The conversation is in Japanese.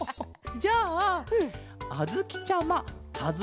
じゃああづきちゃまかず